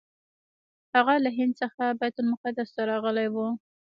هغه له هند څخه بیت المقدس ته راغلی و.